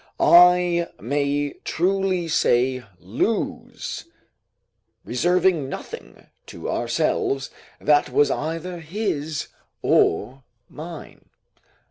I may truly say lose, reserving nothing to ourselves that was either his or mine.